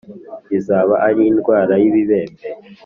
Izaba ari indwara y ibibembe